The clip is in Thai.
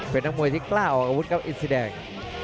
เป็นนักมวยที่กล้าออกอาวุธครับอินสีแดง